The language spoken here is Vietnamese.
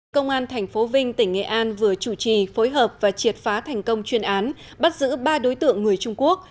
công an tp vinh tỉnh nghệ an vừa chủ trì phối hợp và triệt phá thành công chuyên án bắt giữ ba đối tượng người trung quốc